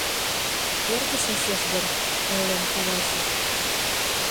— Эрге шочеш дыр, — ойлен куваже.